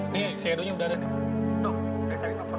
nih si edonya udah ada nih